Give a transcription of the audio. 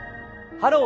「ハロー！